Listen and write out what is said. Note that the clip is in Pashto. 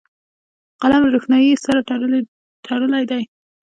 قلم له روښنايي سره تړلی دی